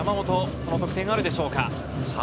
その得点、あるでしょうか。